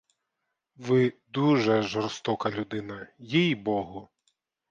Ви дуже жорстока людина. їй-богу!